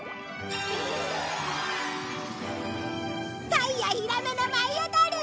タイやヒラメの舞い踊り！